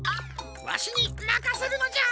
わしにまかせるのじゃ。